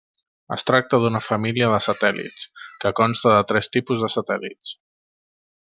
Es tracta d'una família de satèl·lits que consta de tres tipus de satèl·lits.